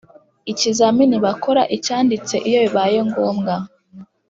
ikizamini bakora icyanditse Iyo bibaye ngombwa